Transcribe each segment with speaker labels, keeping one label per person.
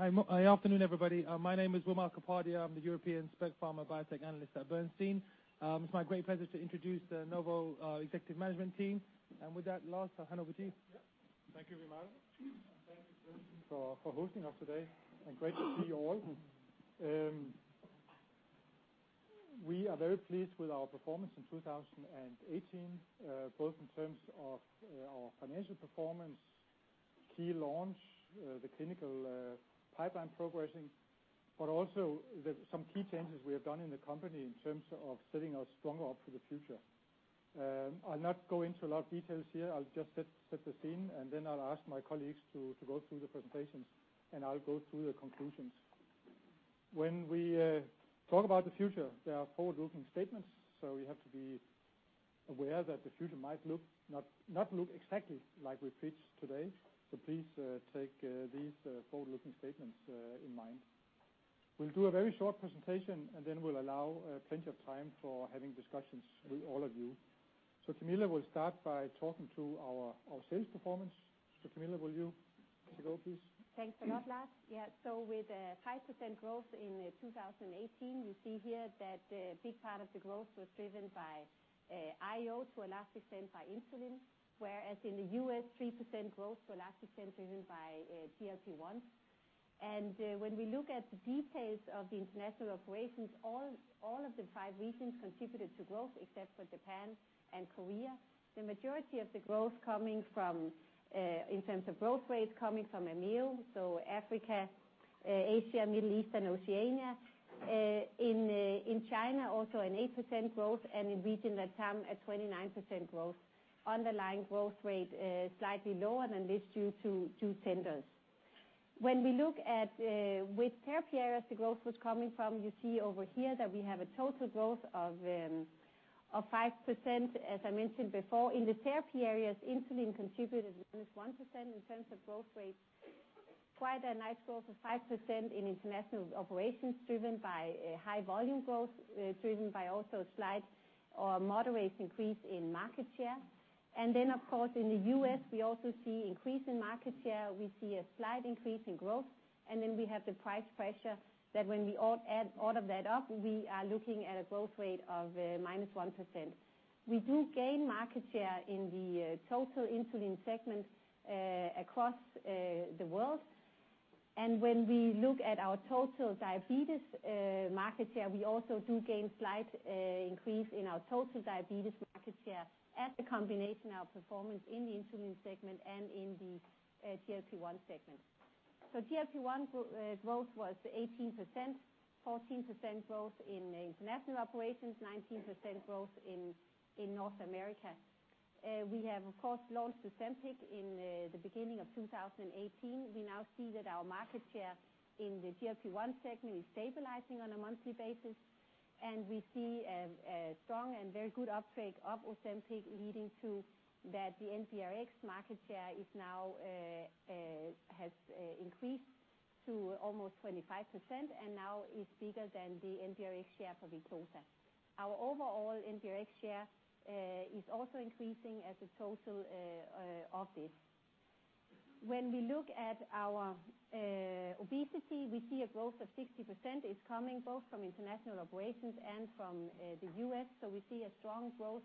Speaker 1: Hi. Afternoon, everybody. My name is Wimal Kapadia, I'm the European Spec Pharma Biotech Analyst at Bernstein. It's my great pleasure to introduce the Novo executive management team. With that, Lars, I'll hand over to you.
Speaker 2: Thank you, Wimal. Thank you for hosting us today, and great to see you all. We are very pleased with our performance in 2018, both in terms of our financial performance, key launch, the clinical pipeline progressing, also some key changes we have done in the company in terms of setting us stronger up for the future. I'll not go into a lot of details here. I'll just set the scene, then I'll ask my colleagues to go through the presentations, I'll go through the conclusions. When we talk about the future, there are forward-looking statements, we have to be aware that the future might not look exactly like we pitch today. Please, take these forward-looking statements in mind. We'll do a very short presentation, then we'll allow plenty of time for having discussions with all of you. Camilla will start by talking to our sales performance. Camilla, will you go please?
Speaker 3: Thanks a lot, Lars. With 5% growth in 2018, we see here that a big part of the growth was driven by IO, to a large extent by insulin, whereas in the U.S., 3% growth to a large extent driven by GLP-1. When we look at the details of the international operations, all of the five regions contributed to growth except for Japan and Korea. The majority of the growth in terms of growth rates coming from EMEA, Africa, Asia, Middle East, and Oceania. In China, also an 8% growth, in Region LATAM, a 29% growth. Underlying growth rate is slightly lower, this due to tenders. When we look at with therapy areas the growth was coming from, you see over here that we have a total growth of 5%, as I mentioned before. In the therapy areas, insulin contributed with 1% in terms of growth rates. Quite a nice growth of 5% in International Operations driven by high volume growth, driven by also slight or moderate increase in market share. Of course, in the U.S., we also see increase in market share. We see a slight increase in growth. Then we have the price pressure that when we add all of that up, we are looking at a growth rate of -1%. We do gain market share in the total insulin segment across the world. When we look at our total diabetes market share, we also do gain slight increase in our total diabetes market share as a combination of performance in the insulin segment and in the GLP-1 segment. GLP-1 growth was 18%, 14% growth in International Operations, 19% growth in North America. We have of course launched Ozempic in the beginning of 2018. We now see that our market share in the GLP-1 segment is stabilizing on a monthly basis. We see a strong and very good uptake of Ozempic leading to that the NBRx market share has increased to almost 25% and now is bigger than the NBRx share for Victoza. Our overall NBRx share is also increasing as a total of this. When we look at our obesity, we see a growth of 60%. It is coming both from International Operations and from the U.S. We see a strong growth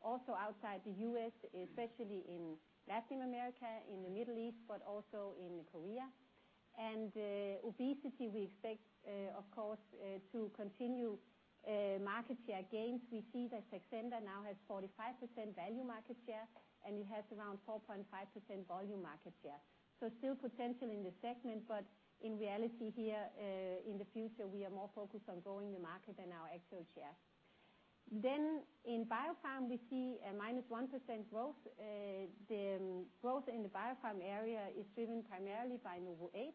Speaker 3: also outside the U.S., especially in Latin America, in the Middle East, also in Korea. Obesity we expect, of course, to continue market share gains. We see that Saxenda now has 45% value market share. It has around 4.5% volume market share. Still potential in the segment. In reality here, in the future, we are more focused on growing the market than our actual share. In biopharm, we see a -1% growth. The growth in the biopharm area is driven primarily by NovoEight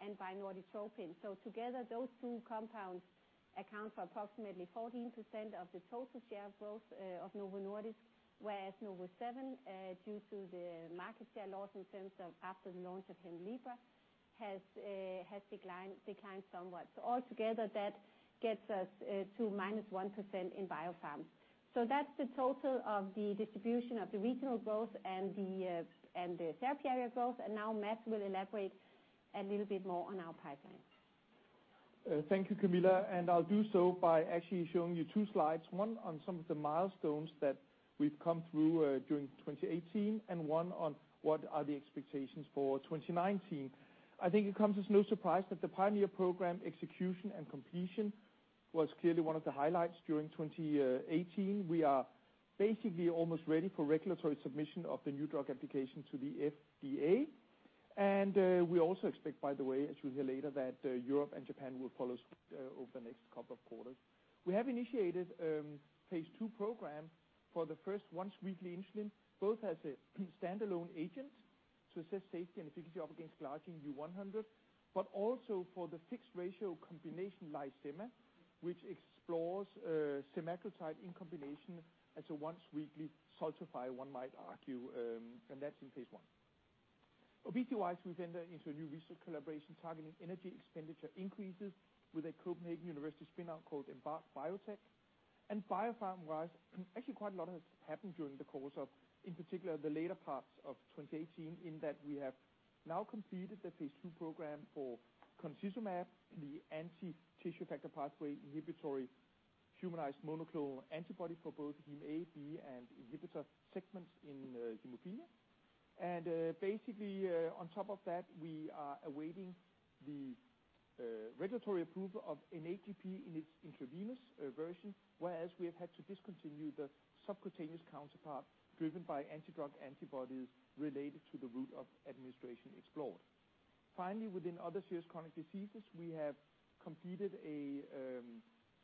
Speaker 3: and by Norditropin. Together, those two compounds account for approximately 14% of the total share growth of Novo Nordisk, whereas NovoSeven, due to the market share loss in terms of after the launch of Hemlibra, has declined somewhat. Altogether, that gets us to -1% in biopharm. That is the total of the distribution of the regional growth and the therapy area growth. Now Mads will elaborate a little bit more on our pipeline.
Speaker 4: Thank you, Camilla. I will do so by actually showing you two slides, one on some of the milestones that we have come through during 2018, and one on what are the expectations for 2019. I think it comes as no surprise that the PIONEER program execution and completion was clearly one of the highlights during 2018. We are basically almost ready for regulatory submission of the new drug application to the FDA. We also expect, by the way, as you will hear later, that Europe and Japan will follow suit over the next couple of quarters. We have initiated a phase II program for the first once-weekly insulin, both as a standalone agent to assess safety and efficacy up against Lantus U-100, but also for the fixed ratio combination lixisenatide, which explores semaglutide in combination as a once-weekly Xultophy, one might argue. That's in phase I. Obesity-wise, we've entered into a new research collaboration targeting energy expenditure increases with a University of Copenhagen spin-out called Embark Biotech. Biopharm-wise, actually quite a lot has happened during the course of, in particular, the later parts of 2018, in that we have now completed the phase II program for concizumab, the anti-tissue factor pathway inhibitory humanized monoclonal antibody for both HemA/B and inhibitor segments in hemophilia. Basically, on top of that, we are awaiting the regulatory approval of N8-GP in its intravenous version. Whereas we have had to discontinue the subcutaneous counterpart driven by anti-drug antibodies related to the route of administration explored. Finally, within other serious chronic diseases, we have completed a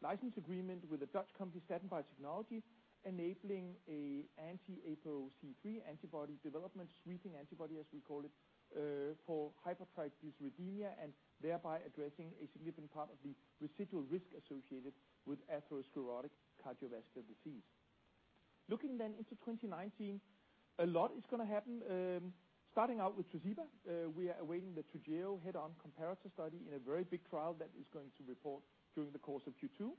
Speaker 4: license agreement with a Dutch company, Staten Biotechnology, enabling a anti-APOC3 antibody development, sweeping antibody, as we call it, for hypertriglyceridemia, and thereby addressing a significant part of the residual risk associated with atherosclerotic cardiovascular disease. Looking then into 2019, a lot is going to happen. Starting out with Tresiba, we are awaiting the Toujeo head-on comparative study in a very big trial that is going to report during the course of Q2.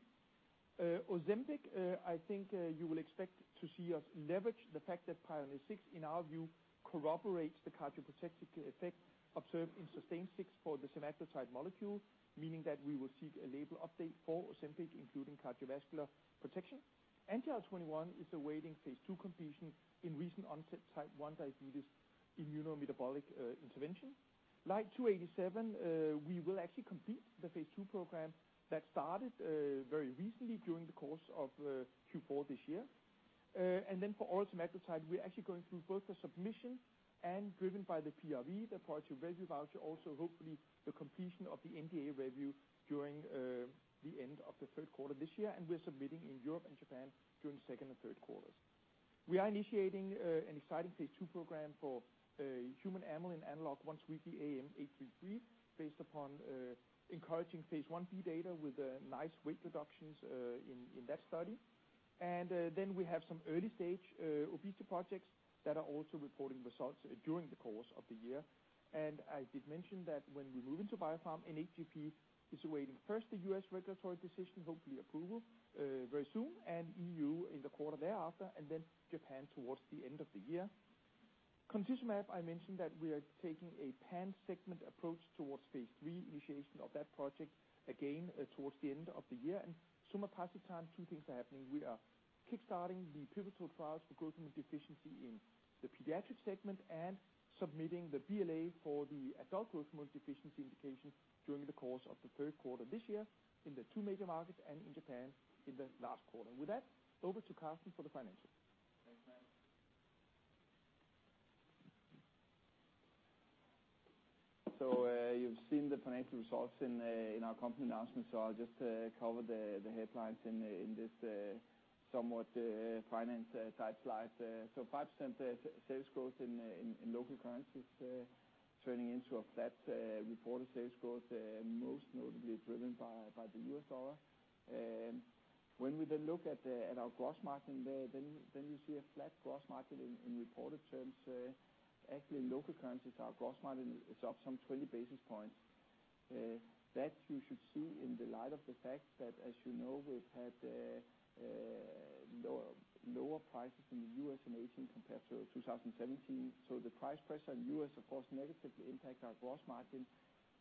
Speaker 4: Ozempic, I think you will expect to see us leverage the fact that PIONEER 6, in our view, corroborates the cardioprotective effect observed in SUSTAIN-6 for the semaglutide molecule, meaning that we will seek a label update for Ozempic, including cardiovascular protection. Anti-IL-21 is awaiting phase II completion in recent onset type 1 diabetes immuno-metabolic intervention. Like insulin 287, we will actually complete the phase II program that started very recently during the course of Q4 this year. Then for oral semaglutide, we are actually going through both the submission and driven by the PRV, the priority review voucher, also hopefully the completion of the NDA review during the end of the third quarter this year, and we're submitting in Europe and Japan during second and third quarters. We are initiating an exciting phase II program for human amylin analog once-weekly AM833, based upon encouraging phase I-B data with nice weight reductions in that study. Then we have some early-stage obesity projects that are also reporting results during the course of the year. I did mention that when we move into biopharm, N8-GP is awaiting first the U.S. regulatory decision, hopefully approval very soon, and EU in the quarter thereafter, and then Japan towards the end of the year. Concizumab, I mentioned that we are taking a pan-segment approach towards phase III initiation of that project, again, towards the end of the year. Somapacitan, two things are happening. We are kickstarting the pivotal trials for growth hormone deficiency in the pediatric segment and submitting the BLA for the adult growth hormone deficiency indication during the course of the third quarter this year in the two major markets and in Japan in the last quarter. With that, over to Karsten for the financials.
Speaker 5: Thanks, Mads. You've seen the financial results in our company announcement. I'll just cover the headlines in this somewhat finance-type slide. 5% sales growth in local currencies turning into a flat reported sales growth, most notably driven by the U.S. dollar. We then look at our gross margin there, you see a flat gross margin in reported terms. Actually, in local currencies, our gross margin is up some 20 basis points. That you should see in the light of the fact that, as you know, we've had lower prices in the U.S. in 2018 compared to 2017. The price pressure in U.S., of course, negatively impact our gross margin.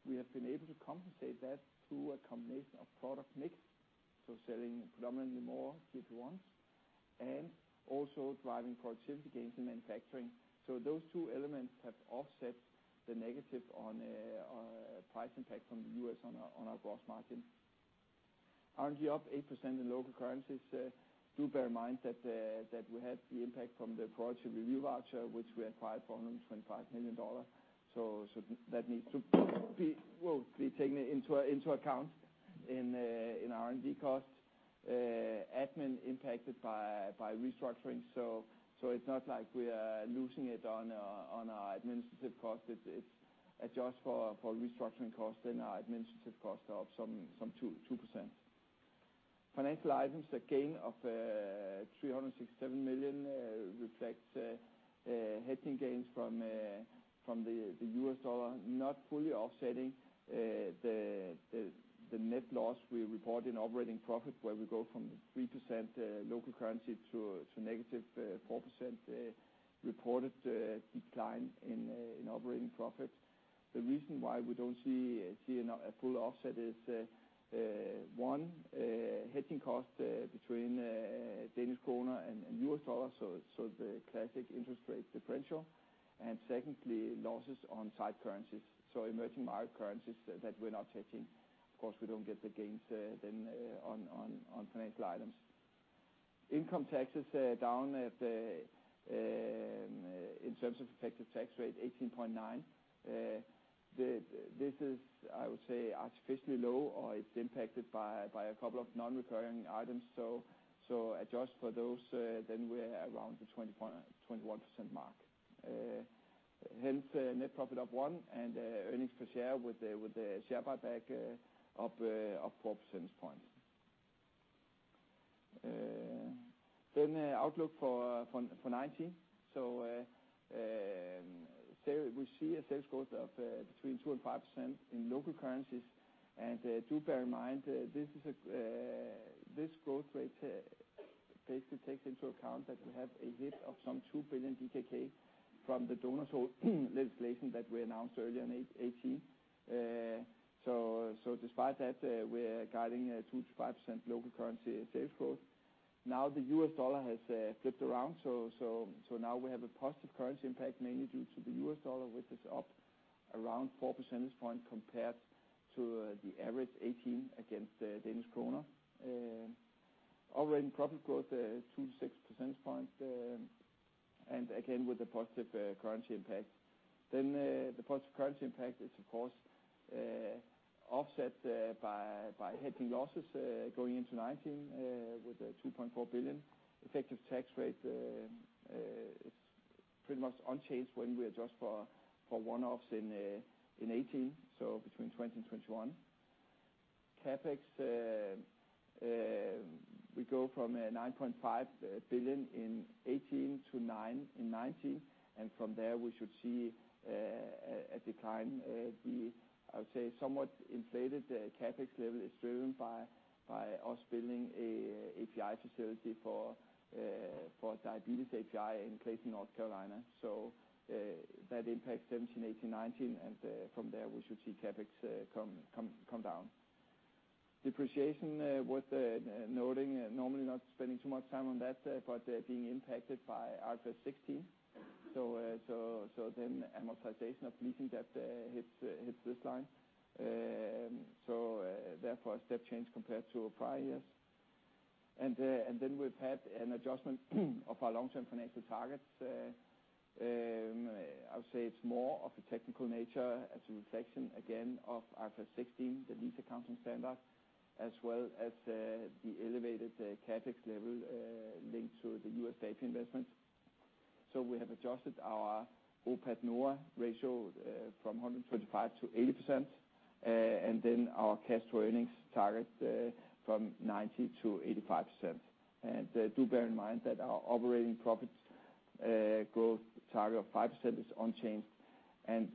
Speaker 5: We have been able to compensate that through a combination of product mix, selling predominantly more GLP-1s, and also driving productivity gains in manufacturing. Those two elements have offset the negative on price impact from the U.S. on our gross margin. R&D up 8% in local currencies. Do bear in mind that we had the impact from the priority review voucher, which we acquired for DKK 125 million. That needs to be taken into account in R&D costs. Admin impacted by restructuring, it's not like we are losing it on our administrative cost. It's adjusted for restructuring cost and our administrative cost of some 2%. Financial items, a gain of 367 million reflects hedging gains from the U.S. dollar, not fully offsetting the net loss we report in operating profit where we go from 3% local currency to -4% reported decline in operating profit. The reason why we don't see a full offset is, one, hedging cost between Danish krone and U.S. dollar, the classic interest rate differential. Secondly, losses on side currencies, emerging market currencies that we're not hedging. Of course, we don't get the gains then on financial items. Income taxes down in terms of effective tax rate, 18.9%. This is, I would say, artificially low or it's impacted by a couple of non-recurring items. Adjust for those, we're around the 21% mark. Hence net profit up one, and earnings per share with the share buyback up four percentage points. The outlook for 2019. We see a sales growth of between 2%-5% in local currencies. Do bear in mind, this growth rate basically takes into account that we have a hit of some 2 billion DKK from the donut hole legislation that we announced earlier in 2018. Despite that, we're guiding a 2%-5% local currency sales growth. The U.S. dollar has flipped around, now we have a positive currency impact mainly due to the U.S. dollar, which is up around four percentage points compared to the average 2018 against the Danish kroner. Operating profit growth, 2-6 percentage points, again with a positive currency impact. The positive currency impact is of course, offset by hedging losses going into 2019 with 2.4 billion. Effective tax rate is pretty much unchanged when we adjust for one-offs in 2018, between 20%-21%. CapEx, we go from 9.5 billion in 2018 to 9 billion in 2019, and from there we should see a decline. The, I would say, somewhat inflated CapEx level is driven by us building an API facility for diabetes API in Clayton, North Carolina. That impacts 2017, 2018, 2019, and from there we should see CapEx come down. Depreciation worth noting, normally not spending too much time on that, but being impacted by IFRS 16. Amortization of leasing debt hits this line. Therefore, a step change compared to prior years. We've had an adjustment of our long-term financial targets. I would say it's more of a technical nature as a reflection, again, of IFRS 16, the lease accounting standard, as well as the elevated CapEx level linked to the U.S. data investment. We have adjusted our NOPAT ratio from 125% to 80%. Our cash to earnings target from 90% to 85%. Do bear in mind that our operating profit growth target of 5% is unchanged.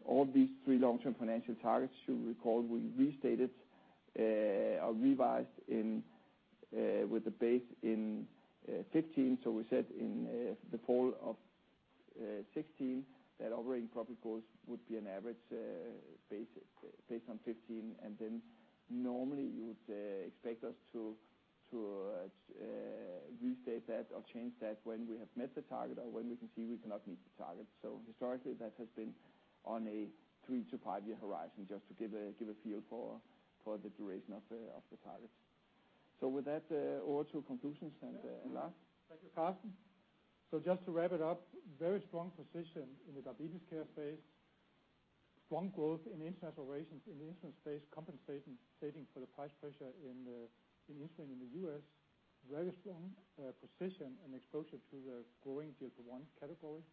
Speaker 5: All these three long-term financial targets, you'll recall, we restated or revised with the base in 2015. We said in the fall of 2016 that operating profit growth would be an average based on 2015. Normally you would expect us to restate that or change that when we have met the target or when we can see we cannot meet the target. Historically, that has been on a three to five-year horizon, just to give a feel for the duration of the targets. With that, over to conclusions and Lars.
Speaker 2: Thank you, Karsten. Just to wrap it up, very strong position in the diabetes care space. Strong growth in insulin operations in the insulin space, compensating for the price pressure in insulin in the U.S. Very strong position and exposure to the growing GLP-1 category.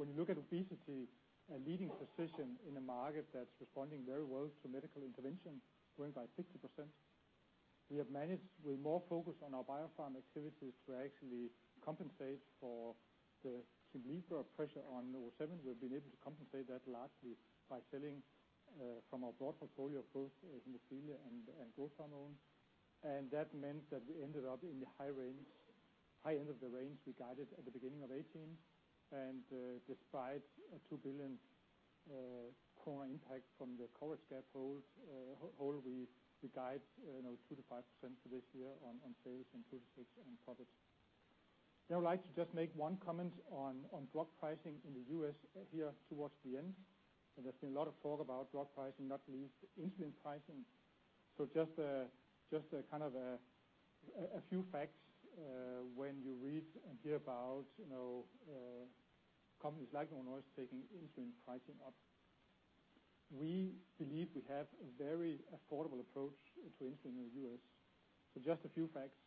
Speaker 2: When you look at obesity, a leading position in a market that's responding very well to medical intervention, growing by 60%. We have managed with more focus on our biopharm activities to actually compensate for the Hemlibra pressure on NovoSeven. We've been able to compensate that largely by selling from our broad portfolio of both hemophilia and growth hormone. That meant that we ended up in the high end of the range we guided at the beginning of 2018. Despite a 2 billion impact from the coverage gap, we guide 2%-5% for this year on sales and 2%-6% on profits. Now I'd like to just make one comment on drug pricing in the U.S. here towards the end. There's been a lot of talk about drug pricing, not least insulin pricing. Just a few facts when you read and hear about companies like Novo Nordisk taking insulin pricing up. We believe we have a very affordable approach to insulin in the U.S. Just a few facts.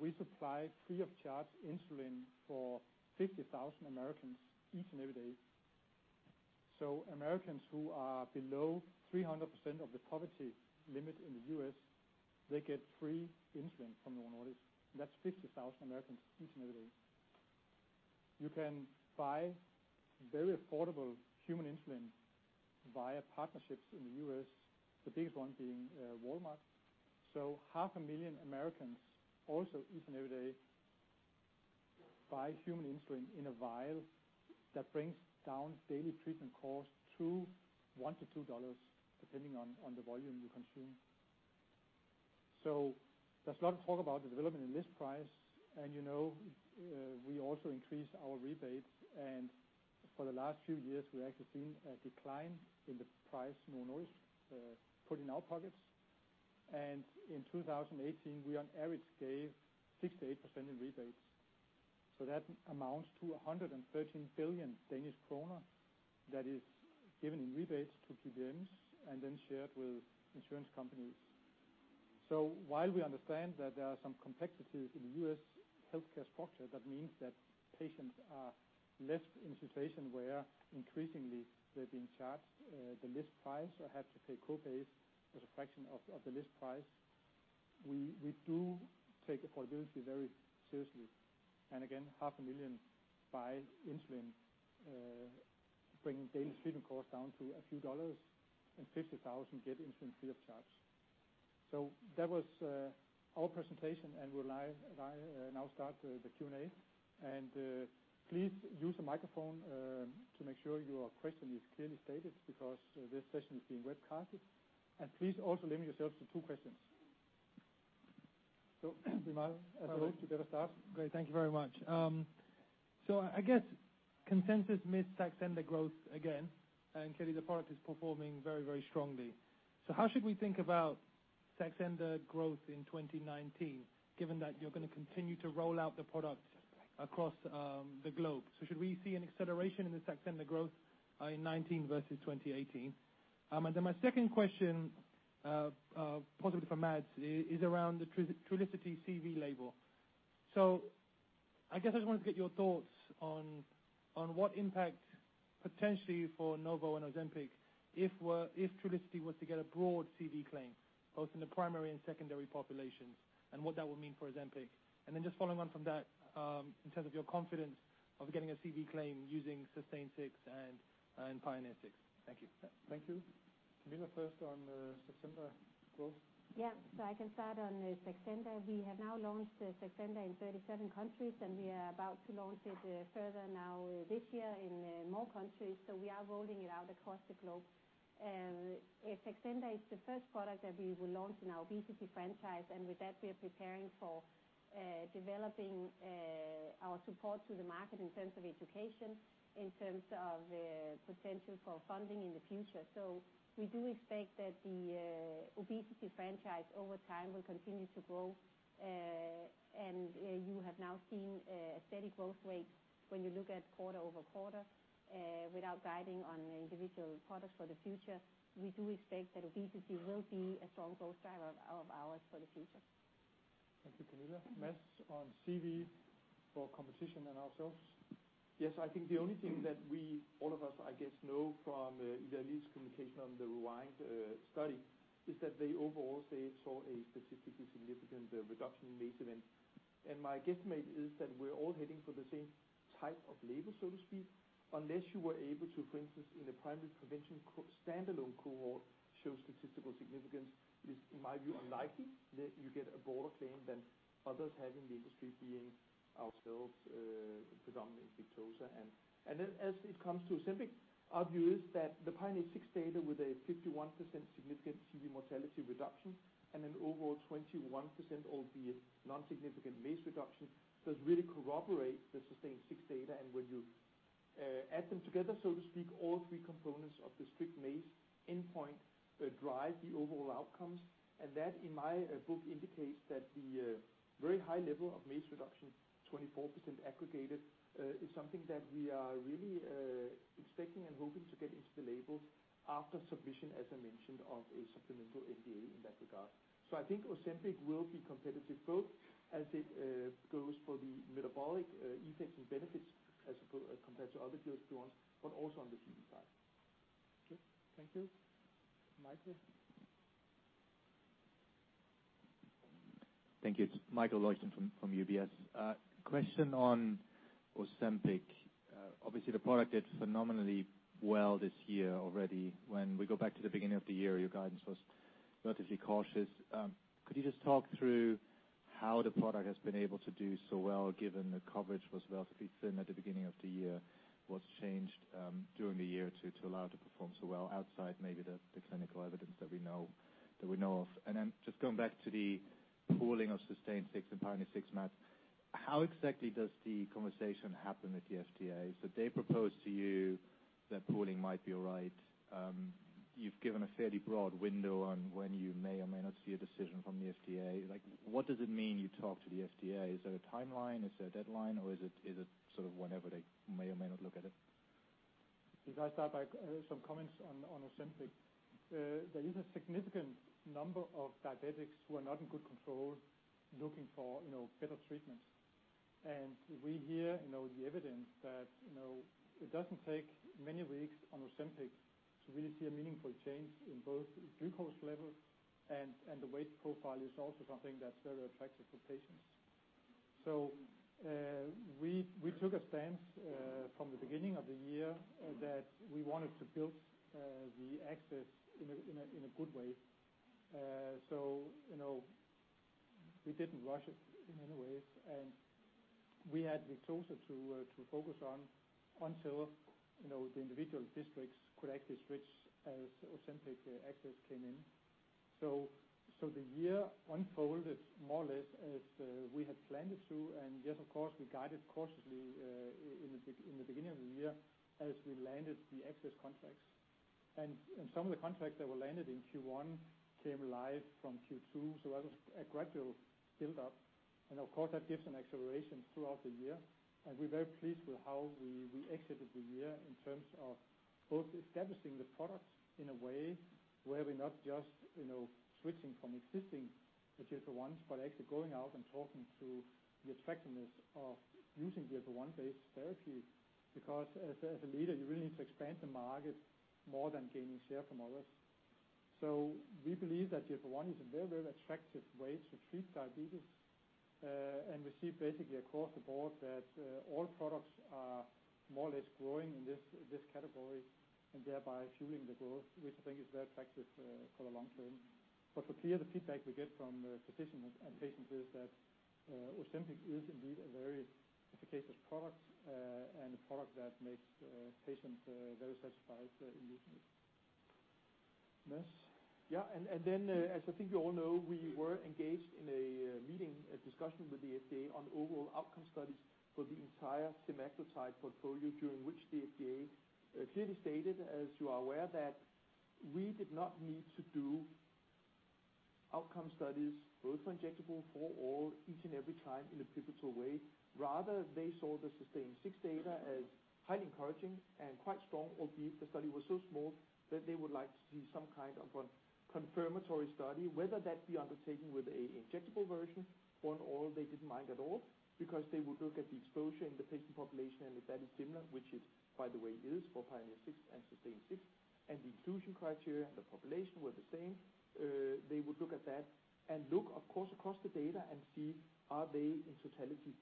Speaker 2: We supply free of charge insulin for 50,000 Americans each and every day. Americans who are below 300% of the poverty limit in the U.S., they get free insulin from Novo Nordisk. That's 50,000 Americans each and every day. You can buy very affordable human insulin via partnerships in the U.S., the biggest one being Walmart. half a million Americans also each and every day buy human insulin in a vial that brings down daily treatment costs to $1-$2, depending on the volume you consume. There's a lot of talk about the development in list price, and we also increased our rebates, and for the last few years, we've actually seen a decline in the price Novo Nordisk put in our pockets. In 2018, we on average gave 68% in rebates. That amounts to 113 billion Danish kroner that is given in rebates to PBMs and then shared with insurance companies. While we understand that there are some complexities in the U.S. healthcare structure, that means that patients are left in a situation where increasingly they're being charged the list price or have to pay co-pays as a fraction of the list price. We do take affordability very seriously. Again, half a million buy insulin, bringing daily treatment costs down to a few dollars, and 50,000 get insulin free of charge. That was our presentation, and will I now start the Q&A? Please use a microphone to make sure your question is clearly stated, because this session is being webcasted. Please also limit yourself to two questions. Wimal, as always, you better start.
Speaker 1: Great. Thank you very much. I guess consensus missed Saxenda growth again, and clearly the product is performing very strongly. How should we think about Saxenda growth in 2019, given that you're going to continue to roll out the product across the globe? Should we see an acceleration in the Saxenda growth in 2019 versus 2018? Then my second question, possibly for Mads, is around the Trulicity CV label. I guess I just wanted to get your thoughts on what impact, potentially for Novo and Ozempic, if Trulicity was to get a broad CV claim, both in the primary and secondary populations, and what that would mean for Ozempic. Then just following on from that, in terms of your confidence of getting a CV claim using SUSTAIN-6 and PIONEER 6. Thank you.
Speaker 2: Thank you. Camilla first on Saxenda growth.
Speaker 3: I can start on Saxenda. We have now launched Saxenda in 37 countries, and we are about to launch it further this year in more countries. We are rolling it out across the globe. Saxenda is the first product that we will launch in our obesity franchise, and with that, we are preparing for developing our support to the market in terms of education, in terms of potential for funding in the future. We do expect that the obesity franchise over time will continue to grow. You have now seen a steady growth rate when you look at quarter-over-quarter. Without guiding on individual products for the future, we do expect that obesity will be a strong growth driver of ours for the future.
Speaker 2: Thank you, Camilla. Mads on CV for competition and ourselves.
Speaker 4: Yes, I think the only thing that all of us, I guess, know from Eli Lilly's communication on the REWIND study is that they overall saw a statistically significant reduction in MACE event. My guesstimate is that we're all heading for the same type of label, so to speak. Unless you were able to, for instance, in a primary prevention standalone cohort, show statistical significance, it is, in my view, unlikely that you get a broader claim than others have in the industry, being ourselves predominantly Victoza. As it comes to Ozempic, our view is that the PIONEER 6 data with a 51% significant CV mortality reduction, and an overall 21%, albeit non-significant MACE reduction, does really corroborate the SUSTAIN-6 data. When you add them together, so to speak, all three components of the strict MACE endpoint drive the overall outcomes. That, in my book, indicates that the very high level of MACE reduction, 24% aggregated is something that we are really expecting and hoping to get into the labels after submission, as I mentioned, of a supplemental NDA in that regard. I think Ozempic will be competitive both as it goes for the metabolic effects and benefits as compared to other GLP-1s, but also on the CV side.
Speaker 2: Okay, thank you. Michael?
Speaker 6: Thank you. It's Michael Leuchten from UBS. Question on Ozempic. Obviously, the product did phenomenally well this year already. When we go back to the beginning of the year, your guidance was relatively cautious. Could you just talk through how the product has been able to do so well, given the coverage was relatively thin at the beginning of the year? What's changed during the year to allow it to perform so well outside maybe the clinical evidence that we know of? Then just going back to the pooling of SUSTAIN-6 and PIONEER 6, Mads, how exactly does the conversation happen with the FDA? They propose to you that pooling might be all right. You've given a fairly broad window on when you may or may not see a decision from the FDA. What does it mean you talk to the FDA? Is there a timeline? Is there a deadline, or is it sort of whenever they may or may not look at it?
Speaker 2: If I start by some comments on Ozempic. There is a significant number of diabetics who are not in good control, looking for better treatments. We hear the evidence that it doesn't take many weeks on Ozempic to really see a meaningful change in both glucose levels, and the weight profile is also something that's very attractive for patients. We took a stance from the beginning of the year that we wanted to build the access in a good way. We didn't rush it in many ways, and we had Victoza to focus on until the individual districts could actually switch as Ozempic access came in. The year unfolded more or less as we had planned it to. Yes, of course, we guided cautiously in the beginning of the year as we landed the access contracts. Some of the contracts that were landed in Q1 came live from Q2, so that was a gradual build-up. Of course, that an acceleration throughout the year, we're very pleased with how we exited the year in terms of both establishing the product in a way where we're not just switching from existing GLP-1s, actually going out and talking to the attractiveness of using GLP-1-based therapy. As a leader, you really need to expand the market more than gaining share from others. We believe that GLP-1 is a very, very attractive way to treat diabetes, and we see basically across the board that all products are more or less growing in this category, thereby fueling the growth, which I think is very attractive for the long term. For clear, the feedback we get from physicians and patients is that Ozempic is indeed a very efficacious product, and a product that makes patients very satisfied in using it. Mads?
Speaker 4: As I think you all know, we were engaged in a meeting, a discussion with the FDA on overall outcome studies for the entire semaglutide portfolio, during which the FDA clearly stated, as you are aware, that we did not need to do outcome studies, both injectable or oral, each and every time in a pivotal way. Rather, they saw the SUSTAIN-6 data as highly encouraging and quite strong, albeit the study was so small that they would like to see some kind of a confirmatory study. Whether that be undertaken with an injectable version, or oral, they didn't mind at all, because they would look at the exposure in the patient population, and if that is similar, which it, by the way, is for PIONEER 6 and SUSTAIN-6, and the inclusion criteria and the population were the same. They would look at that and look, of course, across the data and see are they, in totality,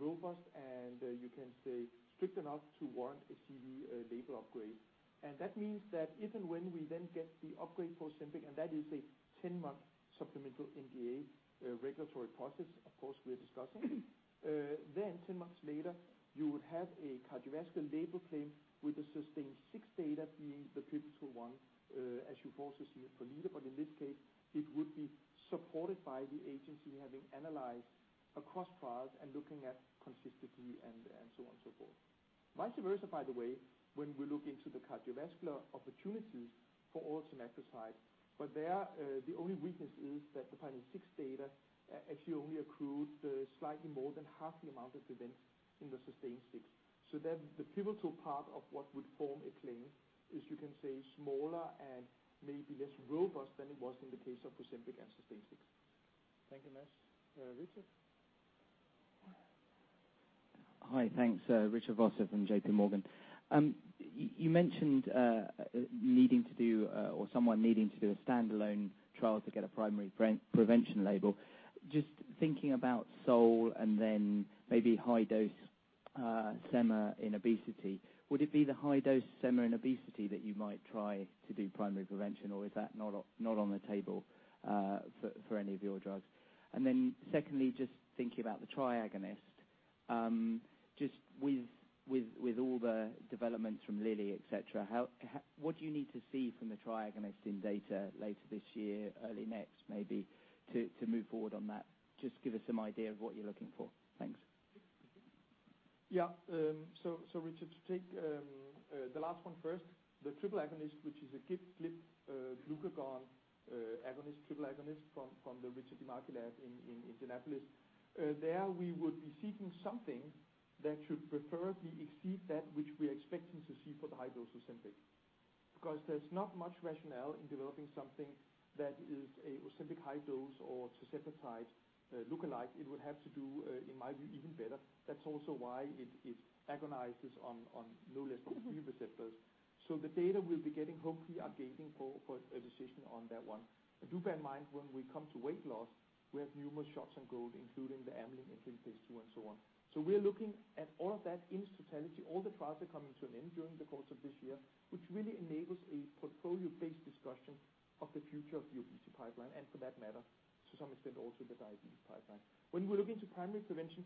Speaker 4: robust, and you can say strict enough to warrant a CV label upgrade. That means that if and when we then get the upgrade for Ozempic, and that is a 10-month supplemental NDA regulatory process, of course, we are discussing. 10 months later, you would have a cardiovascular label claim with the SUSTAIN-6 data being the pivotal one, as you've also seen it for LEADER. In this case, it would be supported by the agency having analyzed across trials and looking at consistency, and so on and so forth. Much different, by the way, when we look into the cardiovascular opportunities for oral semaglutide. There, the only weakness is that the PIONEER 6 data actually only accrued slightly more than half the amount of events in the SUSTAIN-6. The pivotal part of what would form a claim is, you can say, smaller and maybe less robust than it was in the case of Ozempic and SUSTAIN-6.
Speaker 2: Thank you, Mads. Richard?
Speaker 7: Hi. Thanks. Richard Vosser from JPMorgan. You mentioned needing to do, or someone needing to do a standalone trial to get a primary prevention label. Just thinking about SOUL and then maybe high-dose semaglutide in obesity, would it be the high-dose semaglutide in obesity that you might try to do primary prevention, or is that not on the table for any of your drugs? And then secondly, just thinking about the triagonist. Just with all the developments from Lilly, et cetera, what do you need to see from the triagonist in data later this year, early next maybe, to move forward on that? Just give us some idea of what you're looking for. Thanks.
Speaker 4: Yeah. Richard, to take the last one first, the triple agonist, which is a GLP glucagon agonist, triple agonist from the Richard DiMarchi lab in Indianapolis. There, we would be seeking something that should preferably exceed that which we are expecting to see for the high-dose Ozempic. Because there's not much rationale in developing something that is a Ozempic high dose or tirzepatide lookalike. It would have to do, in my view, even better. That's also why it agonizes on no less than three receptors. The data we'll be getting, hopefully, are gaining for a decision on that one. Do bear in mind, when we come to weight loss, we have numerous shots on goal, including the Amylin in phase II and so on. We are looking at all of that in its totality. All the trials are coming to an end during the course of this year, which really enables a portfolio-based discussion of the future of the obesity pipeline, and for that matter, to some extent, also the diabetes pipeline. When we look into primary prevention,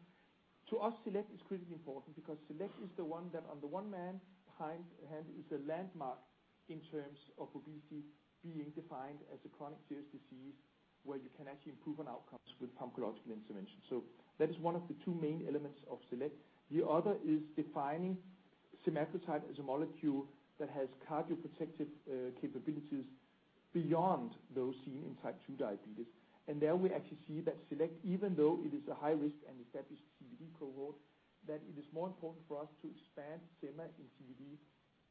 Speaker 4: to us SELECT is critically important because SELECT is the one that on the one hand is a landmark in terms of obesity being defined as a chronic serious disease where you can actually improve on outcomes with pharmacological intervention. That is one of the two main elements of SELECT. The other is defining semaglutide as a molecule that has cardio protective capabilities beyond those seen in type 2 diabetes. There we actually see that SELECT, even though it is a high risk and established CVD cohort, that it is more important for us to expand semaglutide in CVD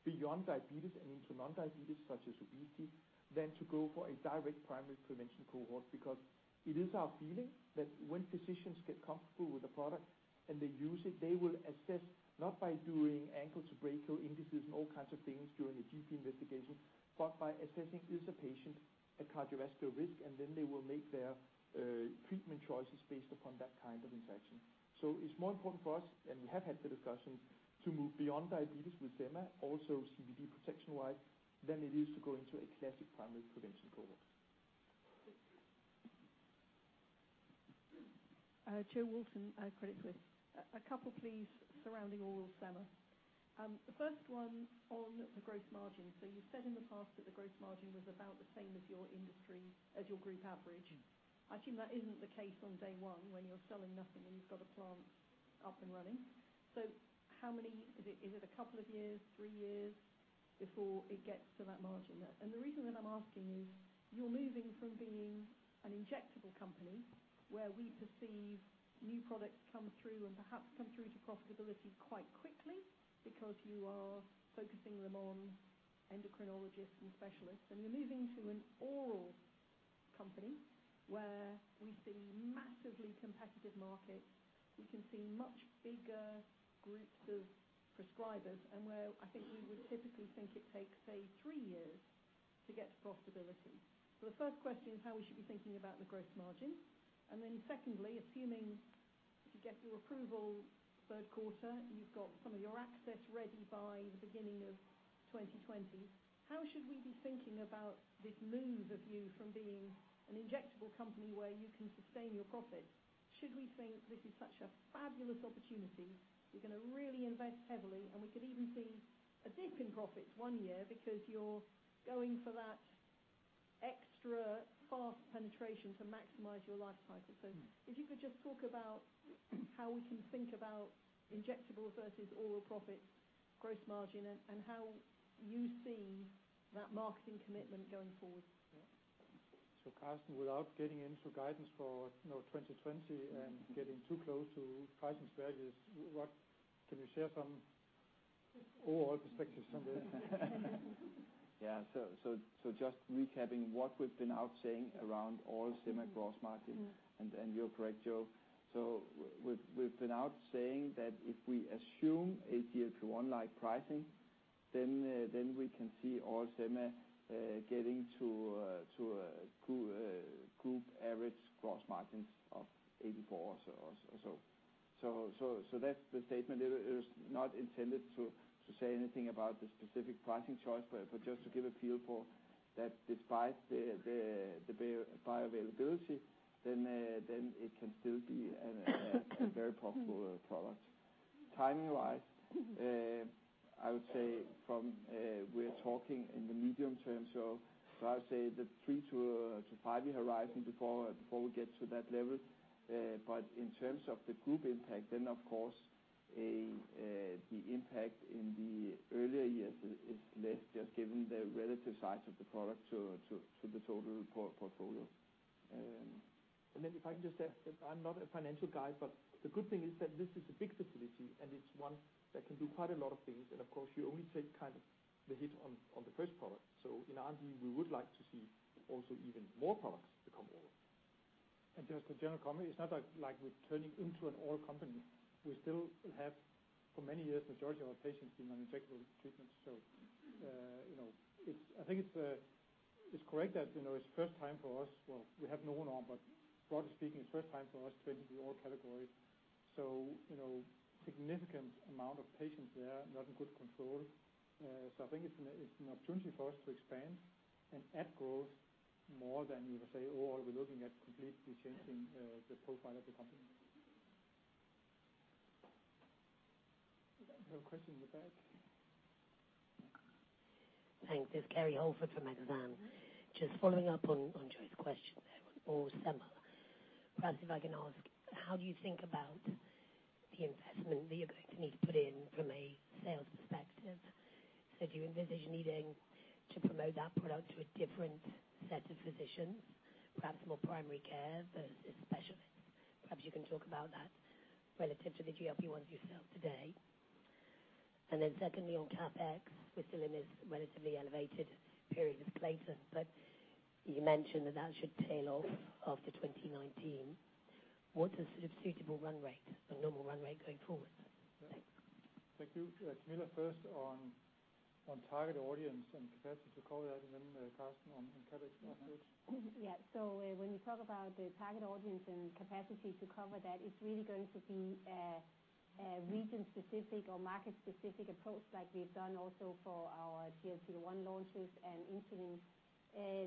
Speaker 4: beyond diabetes and into non-diabetes, such as obesity, than to go for a direct primary prevention cohort. It is our feeling that when physicians get comfortable with the product and they use it, they will assess, not by doing ankle to brachial indices and all kinds of things during a GP investigation, but by assessing is a patient at cardiovascular risk, and then they will make their treatment choices based upon that kind of interaction. It's more important for us, and we have had the discussions, to move beyond diabetes with semaglutide, also CVD protection-wise, than it is to go into a classic primary prevention cohort.
Speaker 8: Jo Walton at Credit Suisse. A couple, please, surrounding oral semaglutide. The first one on the gross margin. You said in the past that the gross margin was about the same as your industry, as your group average. I assume that isn't the case on day one when you're selling nothing and you've got a plant up and running. How many, is it a couple of years, three years, before it gets to that margin? The reason that I'm asking is you're moving from being an injectable company where we perceive new products come through and perhaps come through to profitability quite quickly because you are focusing them on endocrinologists and specialists, and you're moving to an oral company where we see massively competitive markets. We can see much bigger groups of prescribers, and where I think we would typically think it takes, say, three years to get to profitability. The first question is how we should be thinking about the gross margin. Secondly, assuming you get your approval third quarter, and you've got some of your access ready by the beginning of 2020, how should we be thinking about this move of you from being an injectable company where you can sustain your profit? Should we think this is such a fabulous opportunity, you're going to really invest heavily, and we could even see a dip in profits one year because you're going for that extra fast penetration to maximize your life cycle? If you could just talk about how we can think about injectables versus oral profits, gross margin, and how you see that marketing commitment going forward.
Speaker 2: Karsten, without getting into guidance for 2020 and getting too close to pricing strategies, can you share some overall perspective somewhere?
Speaker 5: Just recapping what we've been out saying around oral sema gross margin, and you're correct, Jo. We've been out saying that if we assume GLP-1 like pricing, then we can see oral semaglutide getting to a group average gross margins of 84% or so. That's the statement. It was not intended to say anything about the specific pricing choice, but just to give a feel for that despite the bioavailability, it can still be a very popular product. Timing wise, I would say we're talking in the medium term, I would say the three to five-year horizon before we get to that level. In terms of the group impact, of course, the impact in the earlier years is less just given the relative size of the product to the total portfolio.
Speaker 4: If I can just add, I'm not a financial guy, the good thing is that this is a big facility and it's one that can do quite a lot of things. Of course, you only take the hit on the first product. In our view, we would like to see also even more products to come over.
Speaker 2: Just a general comment, it's not like we're turning into an oral company. We still have for many years, the majority of our patients being on injectable treatments. I think it's correct that it's first time for us, well, we have NovoNorm, but broadly speaking, it's first time for us to enter the oral category. Significant amount of patients there, not in good control. I think it's an opportunity for us to expand and add growth more than we would say, oh, are we looking at completely changing the profile of the company. We have a question in the back.
Speaker 9: Thanks. It's Kerry Holford from Exane. Just following up on Jo's question there on semaglutide. Perhaps if I can ask, how do you think about the investment that you're going to need to put in from a sales perspective? Do you envision needing to promote that product to a different set of physicians? Perhaps more primary care versus specialists. Perhaps you can talk about that relative to the GLP-1s you sell today. Secondly, on CapEx, we're still in this relatively elevated period of Clayton, but you mentioned that that should tail off after 2019. What is a suitable run rate or normal run rate going forward? Thanks.
Speaker 2: Thank you. Camilla, first on target audience and capacity to cover that and then Karsten on CapEx.
Speaker 3: Yeah. When you talk about the target audience and capacity to cover that, it's really going to be a region specific or market specific approach like we've done also for our GLP-1 launches and insulin.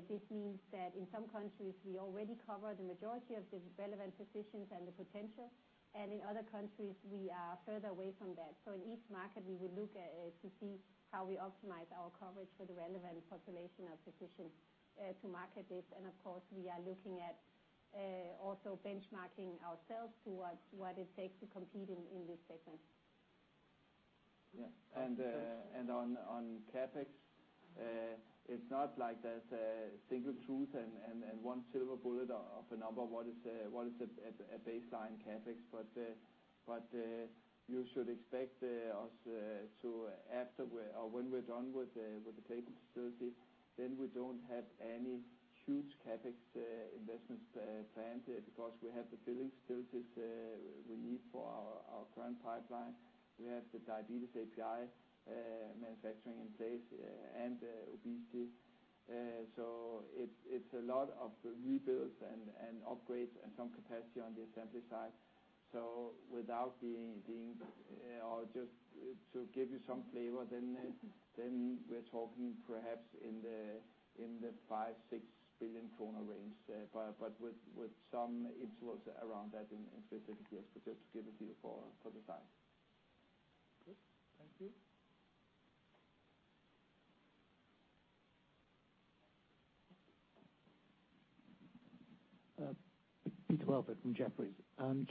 Speaker 3: This means that in some countries, we already cover the majority of the relevant physicians and the potential, in other countries, we are further away from that. In each market, we will look to see how we optimize our coverage for the relevant population of physicians to market this. Of course, we are looking at also benchmarking ourselves to what it takes to compete in this segment.
Speaker 5: Yeah. On CapEx, it's not like there's a single truth and one silver bullet of a number what is a baseline CapEx. You should expect us when we're done with the Clayton facility, we don't have any huge CapEx investments planned because we have the filling facilities we need for our current pipeline. We have the diabetes API manufacturing in place and obesity. It's a lot of rebuilds and upgrades and some capacity on the assembly side. Without being, or just to give you some flavor, we're talking perhaps in the 5 billion-6 billion kroner range. With some insulates around that in specific years. Just to give a feel for the size.
Speaker 2: Good. Thank you.
Speaker 10: Peter Welford from Jefferies.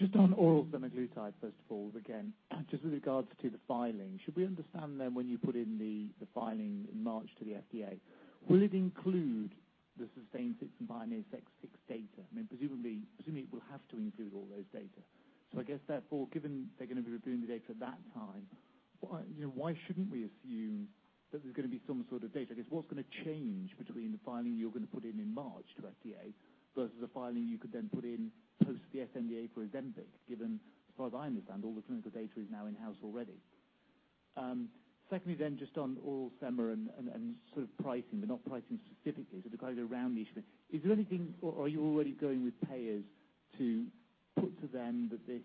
Speaker 10: Just on oral semaglutide, first of all, again, just with regards to the filing, should we understand when you put in the filing in March to the FDA, will it include the SUSTAIN-6 and PIONEER 6 data? Presumably, it will have to include all those data. I guess therefore, given they're going to be reviewing the data at that time, why shouldn't we assume that there's going to be some sort of data? I guess what's going to change between the filing you're going to put in in March to FDA versus a filing you could then put in post the sNDA for Ozempic, given, as far as I understand, all the clinical data is now in-house already. Secondly, just on oral sema and sort of pricing, but not pricing specifically. The kind of around the issue, is there anything, or are you already going with payers to put to them that this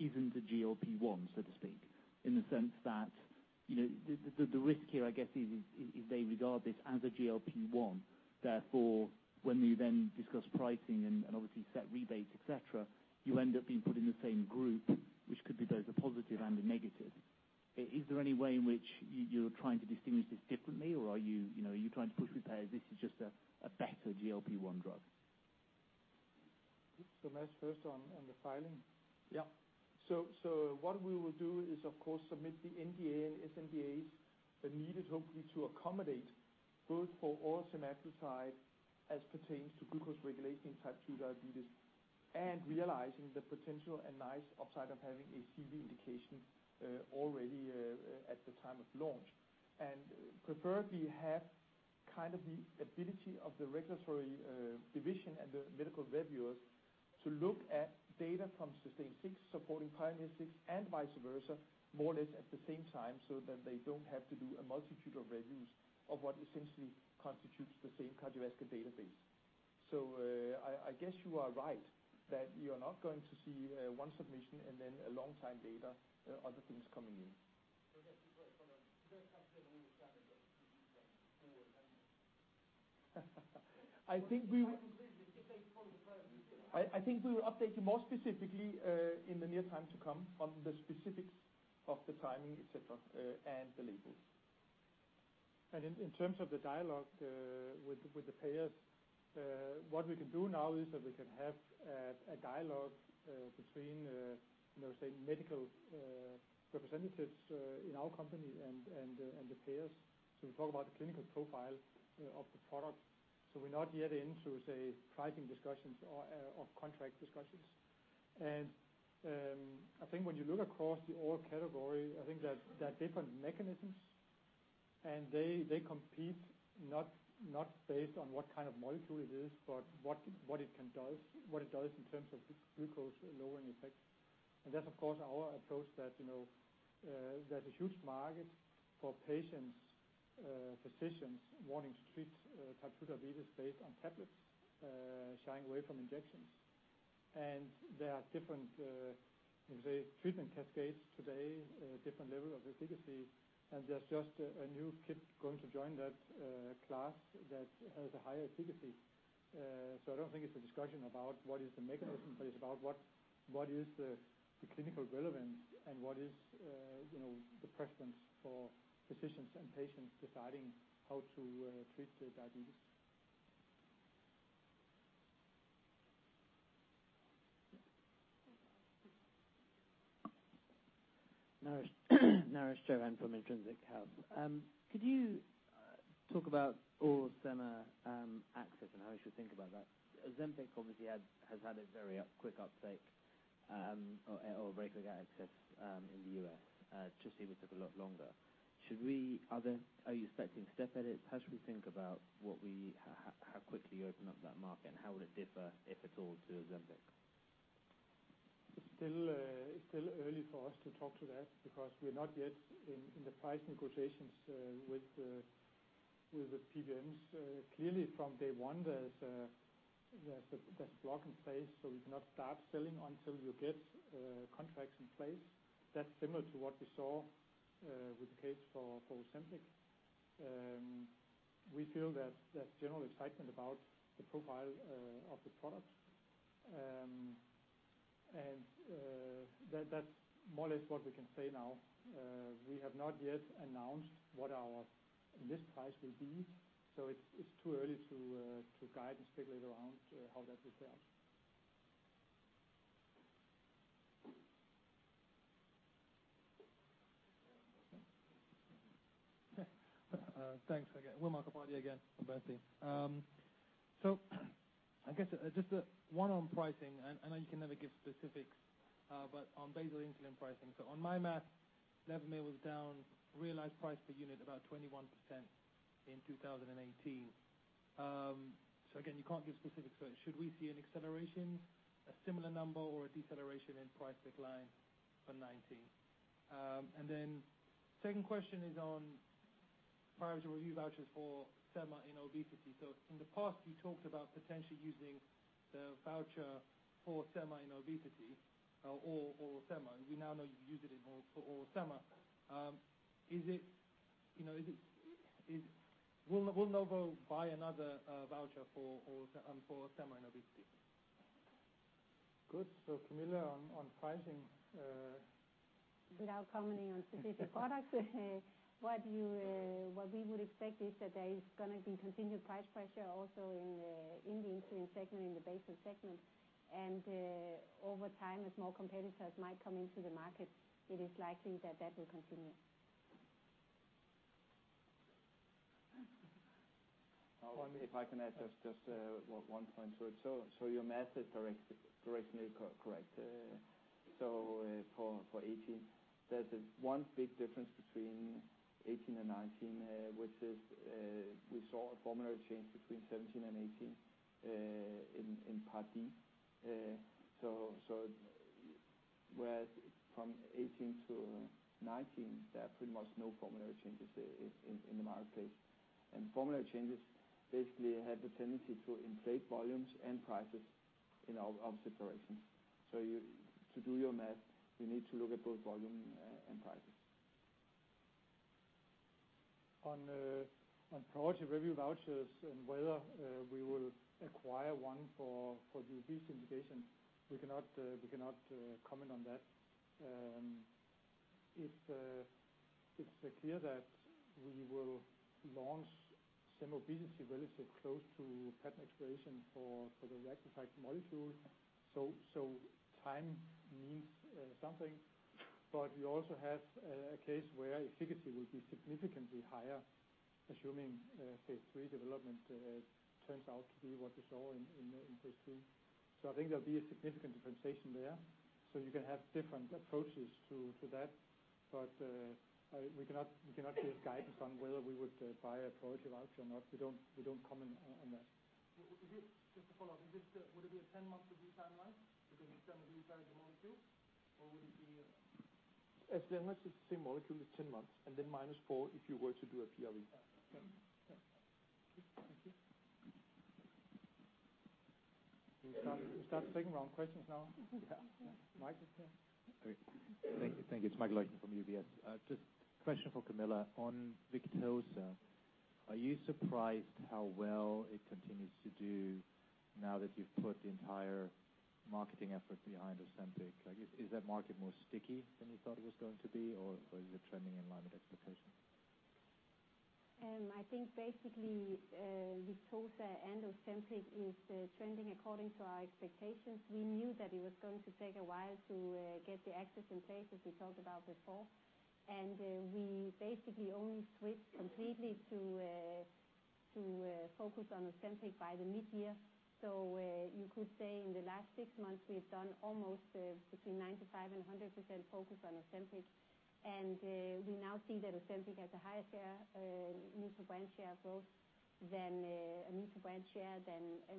Speaker 10: isn't a GLP-1, so to speak, in the sense that the risk here, I guess, is if they regard this as a GLP-1, therefore, when you then discuss pricing and obviously set rebates, et cetera, you end up being put in the same group, which could be both a positive and a negative. Is there any way in which you're trying to distinguish this differently, or are you trying to push with payers this is just a better GLP-1 drug?
Speaker 2: First on the filing.
Speaker 10: Yeah.
Speaker 4: What we will do is of course submit the NDA and sNDAs that are needed, hopefully to accommodate both for oral semaglutide as pertains to glucose regulation type 2 diabetes, and realizing the potential and nice upside of having a CV indication already at the time of launch. Preferably have kind of the ability of the regulatory division and the medical reviewers to look at data from SUSTAIN-6 supporting PIONEER 6 and vice versa, more or less at the same time, so that they don't have to do a multitude of reviews of what essentially constitutes the same cardiovascular database. I guess you are right that you are not going to see one submission and then a long time later other things coming in.
Speaker 10: Just to be quite clear, you don't anticipate any
Speaker 4: I think we will-
Speaker 2: If they follow the PIONEER
Speaker 4: I think we will update you more specifically in the near time to come on the specifics of the timing, et cetera, and the labels.
Speaker 2: In terms of the dialogue with the payers, what we can do now is that we can have a dialogue between, say, medical representatives in our company and the payers. We talk about the clinical profile of the product. We're not yet into, say, pricing discussions or contract discussions. I think when you look across the oral category, I think that there are different mechanisms, and they compete not based on what kind of molecule it is, but what it does in terms of its glucose-lowering effect. That's of course our approach that there's a huge market for patients, physicians wanting to treat type 2 diabetes based on tablets, shying away from injections. There are different, you can say, treatment cascades today, different level of efficacy, and there's just a new kid going to join that class that has a higher efficacy. I don't think it's a discussion about what is the mechanism, but it's about what is the clinical relevance and what is the preference for physicians and patients deciding how to treat their diabetes.
Speaker 11: Naresh Chouhan from Intron Health. Could you talk about oral semaglutide access and how we should think about that? Ozempic obviously has had a very quick uptake or very quick access in the U.S. Trulicity will take a lot longer. Are you expecting step edits? How should we think about how quickly you open up that market, how would it differ, if at all, to Ozempic?
Speaker 2: It's still early for us to talk to that because we're not yet in the price negotiations with the PBMs. From day one, there's a block in place, we cannot start selling until you get contracts in place. That's similar to what we saw with the case for Ozempic. We feel that there's general excitement about the profile of the product. That's more or less what we can say now. We have not yet announced what our list price will be. It's too early to guide and speculate around how that will play out.
Speaker 11: Okay.
Speaker 1: Thanks again. Wimal Kapadia again from Bernstein. I guess just one on pricing, and I know you can never give specifics, but on basal insulin pricing. On my math, Levemir was down realized price per unit about 21% in 2018. Again, you can't give specifics, but should we see an acceleration, a similar number, or a deceleration in price decline for 2019? Then second question is on priority review vouchers for sema in obesity. In the past, you talked about potentially using the voucher for semaglutide in obesity or semaglutide. We now know you use it for oral semaglutide. Will Novo buy another voucher for semaglutide in obesity?
Speaker 2: Good. Camilla, on pricing.
Speaker 3: Without commenting on specific products what we would expect is that there is going to be continued price pressure also in the insulin segment, in the basal segment. Over time, as more competitors might come into the market, it is likely that that will continue.
Speaker 5: If I can add just one point to it. Your math is directionally correct. For 2018, there's one big difference between 2018 and 2019, which is we saw a formulary change between 2017 and 2018 in Part D. Whereas from 2018 to 2019, there are pretty much no formulary changes in the marketplace. Formulary changes basically have the tendency to inflate volumes and prices in our observations. To do your math, you need to look at both volume and prices.
Speaker 2: On priority review vouchers and whether we will acquire one for the obesity indication, we cannot comment on that. It's clear that we will launch semaglutide relative close to patent expiration for the liraglutide molecule. Time means something, but we also have a case where efficacy would be significantly higher, assuming phase III development turns out to be what we saw in phase III. I think there'll be a significant differentiation there. You can have different approaches to that. We cannot give guidance on whether we would buy a priority voucher or not. We don't comment on that.
Speaker 1: Just to follow up. Would it be a 10-month review timeline because you've done the review for the molecule?
Speaker 2: As the same molecule, it is 10 months, and then minus four if you were to do a PRV.
Speaker 1: Okay. Thank you.
Speaker 2: We start the second round questions now.
Speaker 5: Yeah.
Speaker 2: Michael?
Speaker 6: Thank you. It's Michael Leuchten from UBS. Just a question for Camilla. On Victoza, are you surprised how well it continues to do now that you've put the entire marketing effort behind Ozempic? Is that market more sticky than you thought it was going to be, or is it trending in line with expectation?
Speaker 3: I think basically, Victoza and Ozempic is trending according to our expectations. We knew that it was going to take a while to get the access in place, as we talked about before. We basically only switched completely to focus on Ozempic by the mid-year. You could say in the last six months, we've done almost between 95% and 100% focus on Ozempic. We now see that Ozempic has a higher share, new to brand share growth than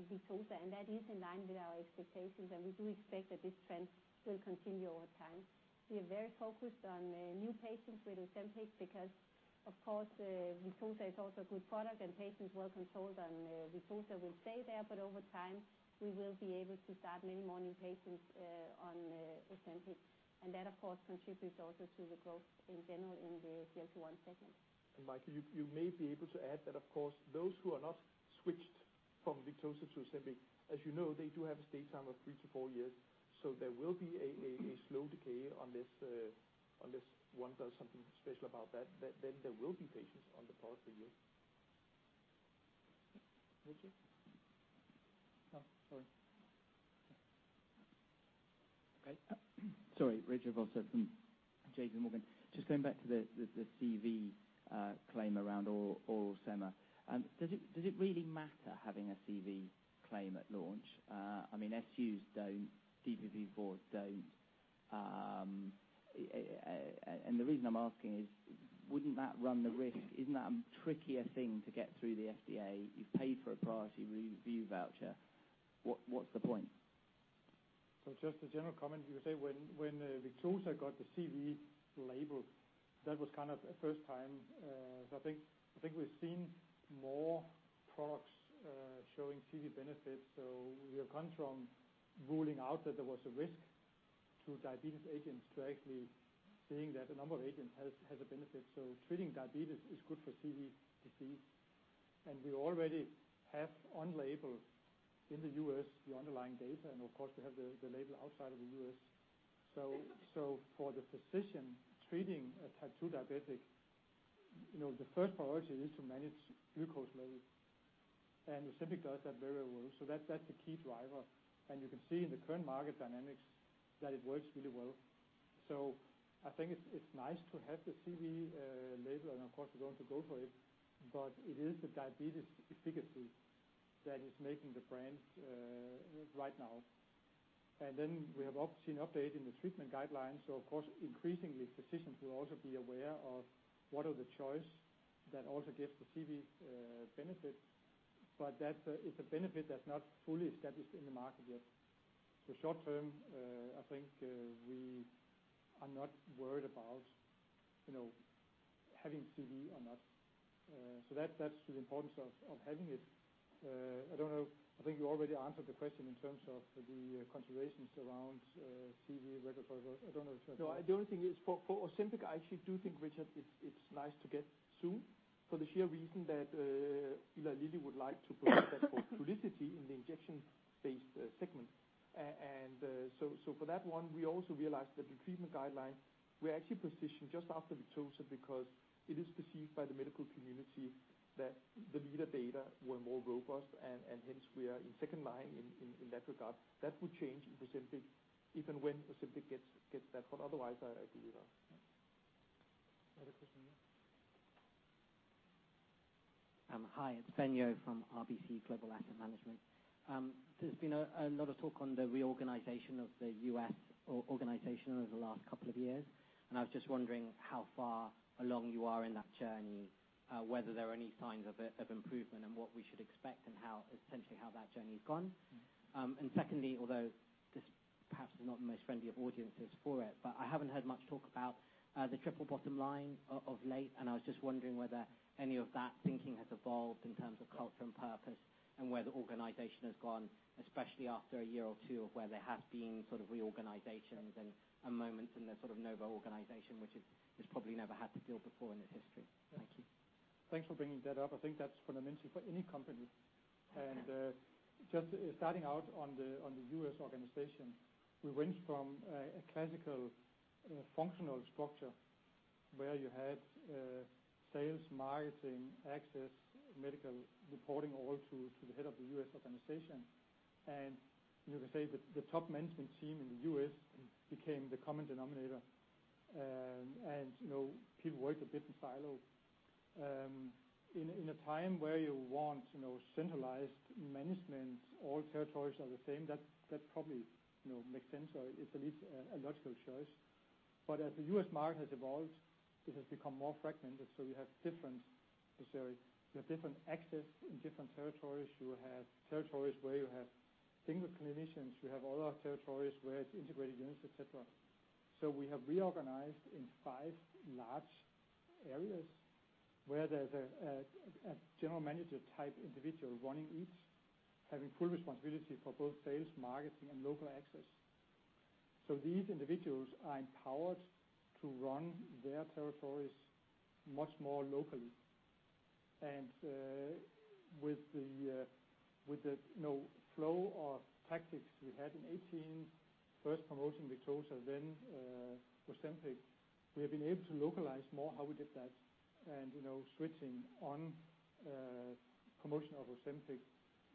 Speaker 3: Victoza. That is in line with our expectations, and we do expect that this trend will continue over time. We are very focused on new patients with Ozempic because, of course, Victoza is also a good product and patients well controlled on Victoza will stay there. Over time, we will be able to start many more new patients on Ozempic. That, of course, contributes also to the growth in general in the GLP-1 segment.
Speaker 4: Michael, you may be able to add that, of course, those who are not switched from Victoza to Ozempic, as you know, they do have a stay time of three to four years. There will be a slow decay unless one does something special about that. There will be patients on the product a year.
Speaker 2: Richard? Oh, sorry.
Speaker 7: Sorry, Richard Vosser from JPMorgan. Just going back to the CV claim around oral semo. Does it really matter having a CV claim at launch? SUs don't, DPP-4s don't. The reason I'm asking is wouldn't that run the risk? Isn't that a trickier thing to get through the FDA? You've paid for a priority review voucher. What's the point?
Speaker 2: Just a general comment, you could say when Victoza got the CV label, that was kind of a first time. I think we've seen more products showing CV benefits. We have come from ruling out that there was a risk to diabetes agents to actually seeing that a number of agents has a benefit. Treating diabetes is good for CV disease. We already have on label in the U.S. the underlying data, and of course, we have the label outside of the U.S. For the physician treating a type 2 diabetic, the first priority is to manage glucose levels, and Ozempic does that very well. That's the key driver, and you can see in the current market dynamics that it works really well. I think it's nice to have the CV label, and of course we're going to go for it, but it is the diabetes efficacy that is making the brands right now. We have seen update in the treatment guidelines. Of course, increasingly physicians will also be aware of what are the choice that also gives the CV benefit. That is a benefit that's not fully established in the market yet. Short term, I think we are not worried about having CV or not. That's the importance of having it. I think you already answered the question in terms of the considerations around.
Speaker 4: The only thing is for Ozempic, I actually do think, Richard, it's nice to get soon for the sheer reason that Eli Lilly would like to protect that for Trulicity in the injection-based segment. For that one, we also realized that the treatment guidelines were actually positioned just after Victoza because it is perceived by the medical community that the LEADER data were more robust and hence we are in second line in that regard. That would change in Ozempic if and when Ozempic gets that, but otherwise, I agree with that.
Speaker 2: Another question here.
Speaker 12: Hi, it's Ben Yeoh from RBC Global Asset Management. There's been a lot of talk on the reorganization of the U.S. organization over the last couple of years. I was just wondering how far along you are in that journey, whether there are any signs of improvement and what we should expect and essentially how that journey's gone. Secondly, although this perhaps is not the most friendly of audiences for it, I haven't heard much talk about the triple bottom line of late. I was just wondering whether any of that thinking has evolved in terms of culture and purpose and where the organization has gone, especially after a year or two of where there have been sort of reorganizations and moments in the sort of Novo organization, which it's probably never had to deal before in its history. Thank you.
Speaker 2: Thanks for bringing that up. I think that's fundamental for any company. Just starting out on the U.S. organization, we went from a classical functional structure where you had sales, marketing, access, medical reporting all to the head of the U.S. organization. You can say the top management team in the U.S. became the common denominator, and people worked a bit in silo. In a time where you want centralized management, all territories are the same, that probably makes sense, or it's at least a logical choice. As the U.S. market has evolved, it has become more fragmented, so you have different access in different territories. You have territories where you have single clinicians, you have other territories where it's integrated units, et cetera. We have reorganized in five large areas where there's a general manager type individual running each, having full responsibility for both sales, marketing, and local access. These individuals are empowered to run their territories much more locally. With the flow of tactics we had in 2018, first promoting Victoza, then Ozempic, we have been able to localize more how we did that and switching on promotion of Ozempic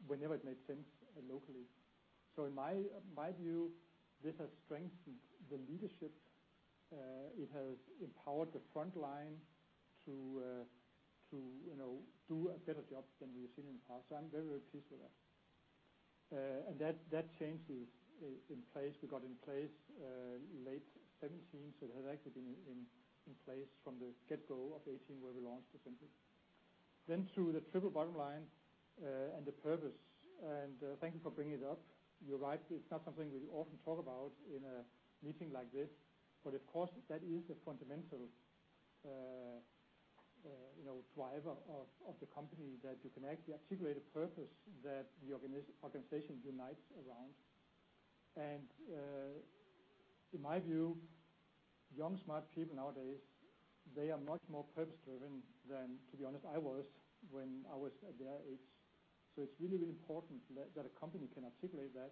Speaker 2: whenever it made sense locally. In my view, this has strengthened the leadership. It has empowered the front line to do a better job than we've seen in the past. I'm very pleased with that. That change we got in place late 2017, it has actually been in place from the get-go of 2018 where we launched Ozempic. To the triple bottom line and the purpose, thank you for bringing it up. You're right, it's not something we often talk about in a meeting like this. Of course, that is a fundamental driver of the company, that you can actually articulate a purpose that the organization unites around. In my view, young, smart people nowadays, they are much more purpose-driven than, to be honest, I was when I was their age. It's really important that a company can articulate that,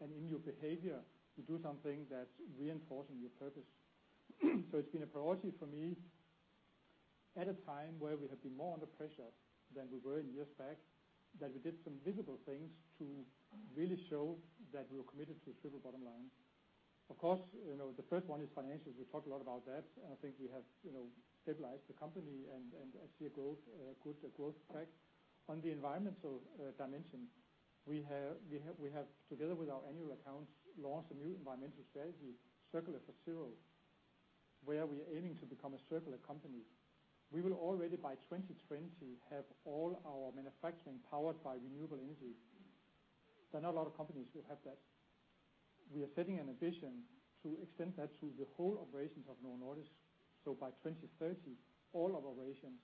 Speaker 2: and in your behavior, you do something that's reinforcing your purpose. It's been a priority for me at a time where we have been more under pressure than we were in years back, that we did some visible things to really show that we were committed to a triple bottom line. Of course, the first one is financials. We've talked a lot about that, and I think we have stabilized the company and see a good growth track. On the environmental dimension, we have, together with our annual accounts, launched a new environmental strategy, Circular for Zero, where we are aiming to become a circular company. We will already by 2020 have all our manufacturing powered by renewable energy. There are not a lot of companies who have that. We are setting an ambition to extend that to the whole operations of Novo Nordisk. By 2030, all operations,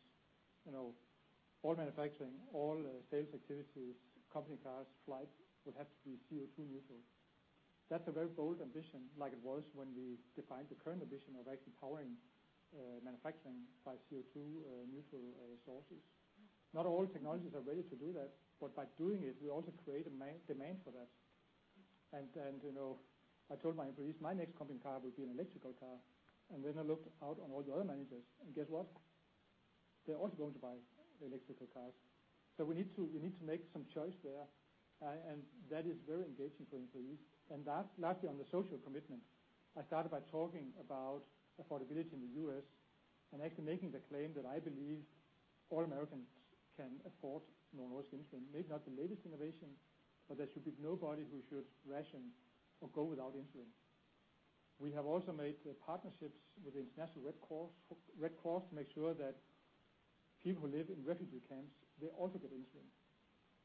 Speaker 2: all manufacturing, all sales activities, company cars, flights, would have to be CO2 neutral. That's a very bold ambition, like it was when we defined the current ambition of actually powering manufacturing by CO2 neutral sources. Not all technologies are ready to do that, but by doing it, we also create a demand for that. I told my employees my next company car would be an electrical car. I looked out on all the other managers. Guess what? They're also going to buy electrical cars. We need to make some choice there, and that is very engaging for employees. Lastly, on the social commitment, I started by talking about affordability in the U.S. and actually making the claim that I believe all Americans can afford Novo Nordisk insulin. Maybe not the latest innovation, but there should be nobody who should ration or go without insulin. We have also made partnerships with the International Red Cross to make sure that people who live in refugee camps, they also get insulin.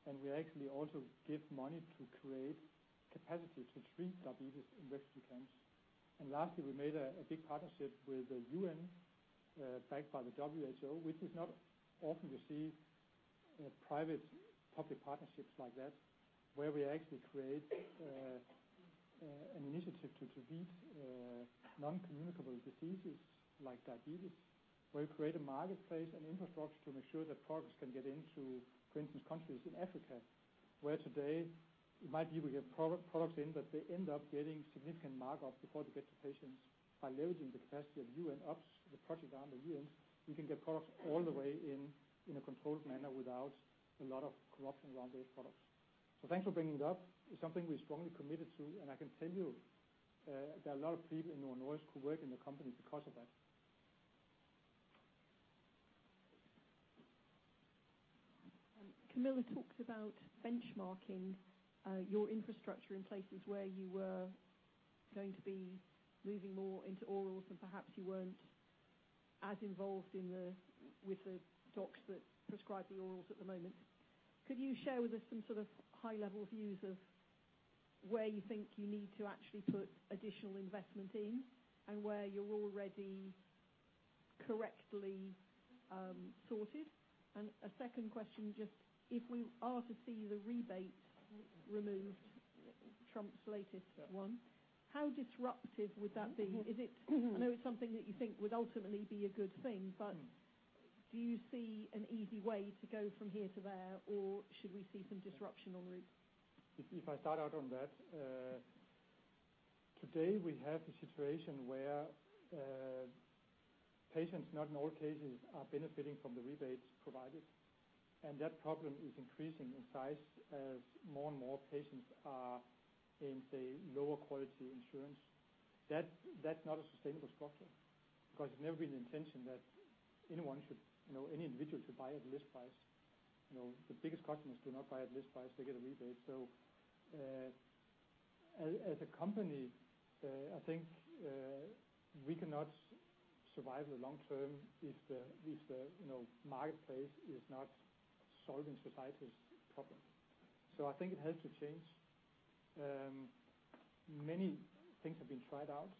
Speaker 2: We actually also give money to create capacity to treat diabetes in refugee camps. Lastly, we made a big partnership with the UN, backed by the WHO, which is not often received Private-public partnerships like that, where we actually create an initiative to beat non-communicable diseases like diabetes, where we create a marketplace and infrastructure to make sure that products can get into, for instance, countries in Africa, where today it might be we have products in, but they end up getting significant markups before they get to patients. By leveraging the capacity of UNOPS, the project arm of the UN, we can get products all the way in a controlled manner without a lot of corruption around these products. Thanks for bringing it up. It's something we're strongly committed to, and I can tell you that a lot of people in Novo Nordisk who work in the company because of that.
Speaker 8: Camilla talked about benchmarking your infrastructure in places where you were going to be moving more into orals and perhaps you weren't as involved with the docs that prescribe the orals at the moment. Could you share with us some sort of high-level views of where you think you need to actually put additional investment in, and where you're already correctly sorted? A second question, just if we are to see the rebate removed, Trump's latest one, how disruptive would that be? I know it's something that you think would ultimately be a good thing, do you see an easy way to go from here to there, or should we see some disruption on route?
Speaker 2: If I start out on that. Today we have a situation where patients, not in all cases, are benefiting from the rebates provided, that problem is increasing in size as more and more patients are in, say, lower quality insurance. That's not a sustainable structure, it's never been the intention that any individual should buy at list price. The biggest customers do not buy at list price. They get a rebate. As a company, I think we cannot survive the long term if the marketplace is not solving society's problems. I think it has to change. Many things have been tried out.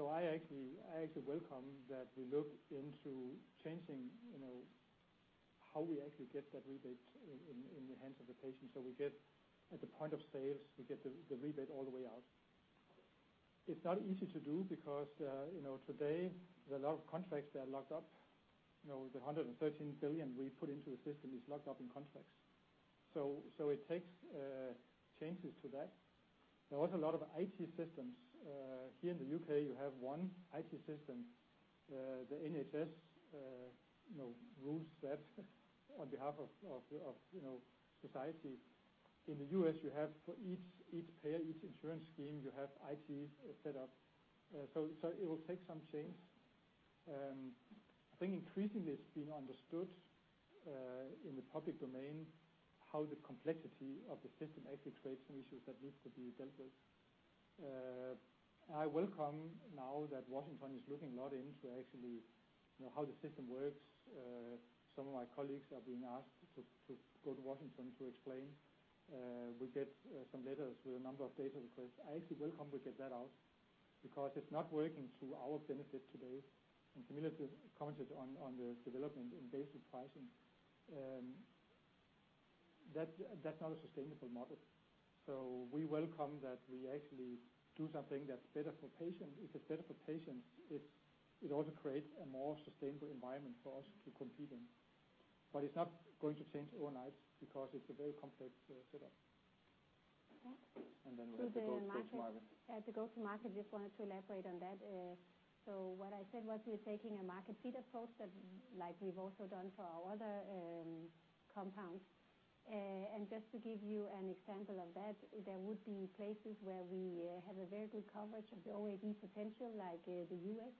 Speaker 2: I actually welcome that we look into changing how we actually get that rebate in the hands of the patient. At the point of sale, we get the rebate all the way out. It's not easy to do today there are a lot of contracts that are locked up. The 113 billion we put into the system is locked up in contracts. It takes changes to that. There are also a lot of IT systems. Here in the U.K. you have one IT system, the NHS rules that on behalf of society. In the U.S., you have for each payer, each insurance scheme, you have IT set up. It will take some change. I think increasingly it's being understood, in the public domain, how the complexity of the system actually creates some issues that needs to be dealt with. I welcome now that Washington is looking a lot into actually how the system works. Some of my colleagues are being asked to go to Washington to explain. We get some letters with a number of data requests. I actually welcome we get that out it's not working to our benefit today. Camilla commented on the development in basal pricing. That's not a sustainable model. We welcome that we actually do something that's better for patients. If it's better for patients, it also creates a more sustainable environment for us to compete in. It's not going to change overnight it's a very complex setup. Then we have the go-to-market.
Speaker 3: To the market. To go-to-market, just wanted to elaborate on that. What I said was we're taking a market-feeder approach that we've also done for our other compounds. Just to give you an example of that, there would be places where we have a very good coverage of the OAD potential like the U.S.,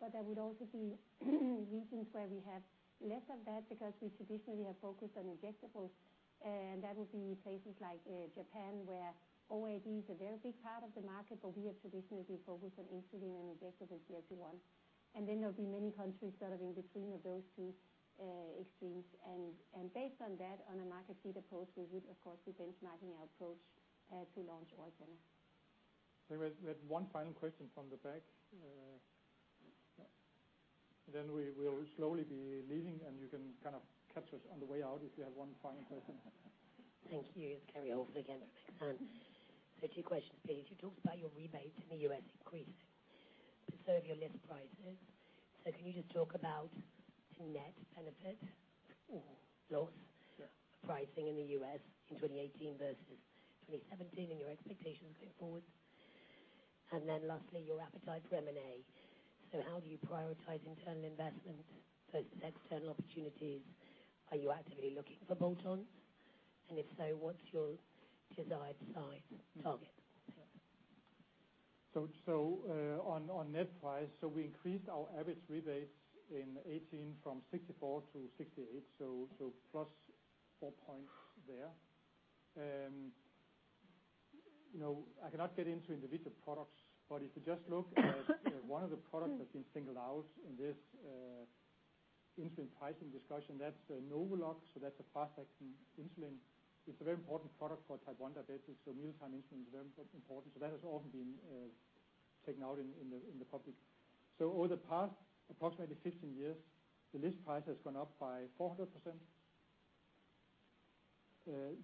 Speaker 3: but there would also be regions where we have less of that because we traditionally have focused on injectables, and that would be places like Japan where OAD is a very big part of the market, but we have traditionally focused on insulin and injectables here for one. Then there'll be many countries that are in between of those two extremes. Based on that, on a market-feeder post, we would of course be benchmarking our approach to launch Ozempic.
Speaker 2: We have one final question from the back. We will slowly be leaving and you can kind of catch us on the way out if you have one final question.
Speaker 9: Thank you. It's Kerry Holford again at Exane. Two questions, please. You talked about your rebate in the U.S. increased to serve your list prices. Can you just talk about net benefit or loss pricing in the U.S. in 2018 versus 2017 and your expectations going forward? Lastly, your appetite for M&A. How do you prioritize internal investment versus external opportunities? Are you actively looking for bolt-ons? If so, what's your desired size target?
Speaker 2: On net price, we increased our average rebates in 2018 from 64-68, so +4 points there. I cannot get into individual products, if you just look at one of the products that's been singled out in this insulin pricing discussion, that's NovoLog, that's a fast-acting insulin. It's a very important product for type 1 diabetes, mealtime insulin is very important. That has often been taken out in the public. Over the past approximately 15 years, the list price has gone up by 400%.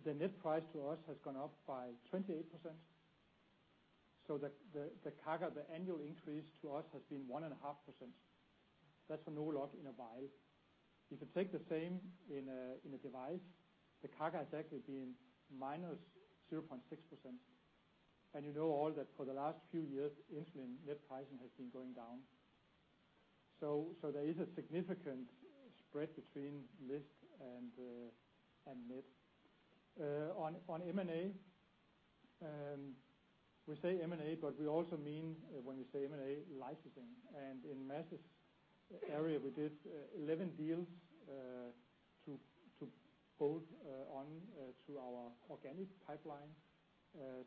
Speaker 2: The net price to us has gone up by 28%. The CAGR, the annual increase to us has been 1.5%. That's for NovoLog in a vial. If you take the same in a device, the CAGR has actually been -0.6%. You know all that for the last few years, insulin net pricing has been going down. There is a significant spread between list and net. On M&A, we say M&A, but we also mean, when we say M&A, licensing. In Mads' area, we did 11 deals to build on to our organic pipeline.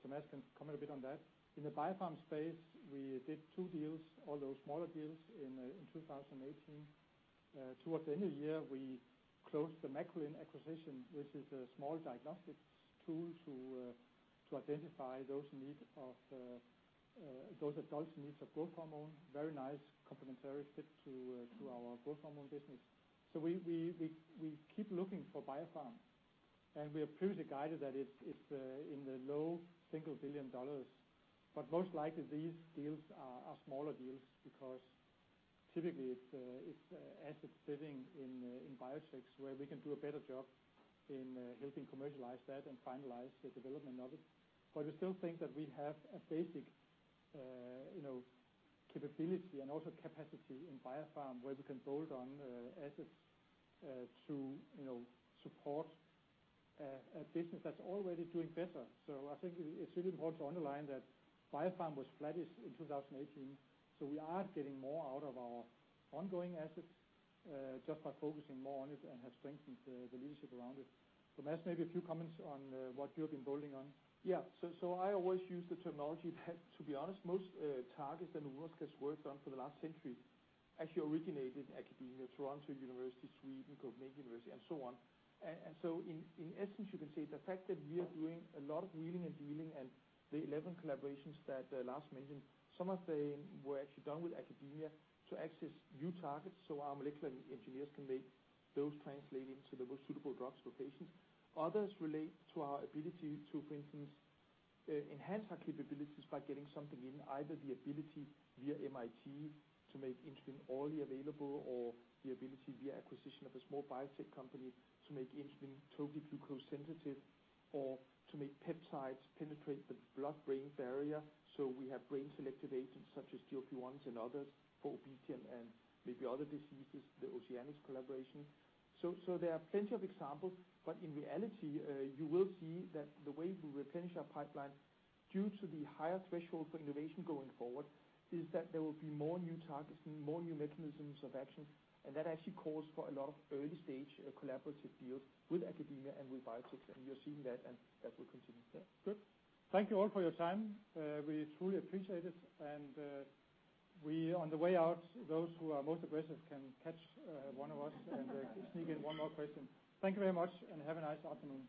Speaker 2: Mads can comment a bit on that. In the biopharm space, we did two deals, although smaller deals, in 2018. Towards the end of the year, we closed the Macrilen acquisition, which is a small diagnostics tool to identify those adults in need of growth hormone. Very nice complementary fit to our growth hormone business. We keep looking for biopharm, and we have previously guided that it's in the low single billion DKK. Most likely, these deals are smaller deals because typically it's assets sitting in biotechs where we can do a better job in helping commercialize that and finalize the development of it. We still think that we have a basic capability and also capacity in biopharm where we can build on assets to support a business that's already doing better. I think it's really important to underline that biopharm was flattish in 2018, we are getting more out of our ongoing assets just by focusing more on it and have strengthened the leadership around it. Mads, maybe a few comments on what you have been building on.
Speaker 4: I always use the terminology that, to be honest, most targets that Novo has worked on for the last century actually originated in academia, University of Toronto, Sweden, University of Copenhagen, and so on. In essence, you can say the fact that we are doing a lot of wheeling and dealing and the 11 collaborations that Lars mentioned, some of them were actually done with academia to access new targets so our molecular engineers can make those translate into the most suitable drugs for patients. Others relate to our ability to, for instance, enhance our capabilities by getting something in either the ability via MIT to make insulin orally available, or the ability via acquisition of a small biotech company to make insulin totally glucose sensitive, or to make peptides penetrate the blood-brain barrier. We have brain-selective agents such as GLP-1s and others for obesity and maybe other diseases, the Ossianix collaboration. There are plenty of examples, but in reality, you will see that the way we replenish our pipeline due to the higher threshold for innovation going forward is that there will be more new targets and more new mechanisms of action, and that actually calls for a lot of early-stage collaborative deals with academia and with biotech. You're seeing that, and that will continue.
Speaker 2: Good. Thank you all for your time. We truly appreciate it. On the way out, those who are most aggressive can catch one of us and sneak in one more question. Thank you very much, and have a nice afternoon.